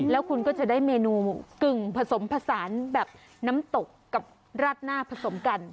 แล้วคุณก็จะได้เมนูกึ่งผสมผสานแบบน้ำตกกับราดหน้าผสมกัน